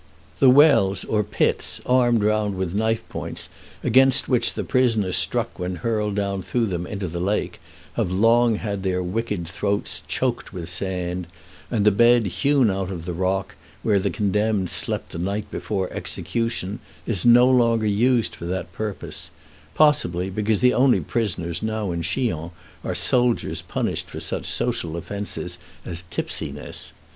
The wells or pits, armed round with knife points, against which the prisoner struck when hurled down through them into the lake, have long had their wicked throats choked with sand; and the bed hewn out of the rock, where the condemned slept the night before execution, is no longer used for that purpose possibly because the only prisoners now in Chillon are soldiers punished for such social offences as tipsiness.